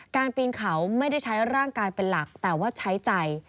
ปีนเขาไม่ได้ใช้ร่างกายเป็นหลักแต่ว่าใช้ใจ